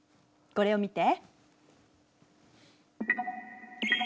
これを見て。